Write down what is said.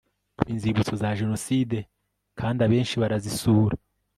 inzibutso za jenoside kandi abenshi barazisura